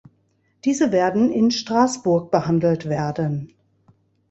Diese werden in Straßburg behandelt werden.